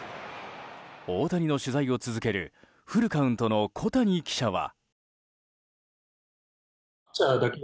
大谷の取材を続けるフルカウントの小谷記者は。